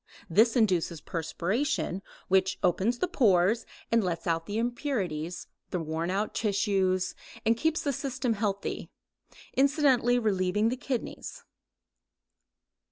This induces perspiration, which opens the pores and lets out the impurities, the worn out tissues, and keeps the system healthy, incidentally relieving the kidneys.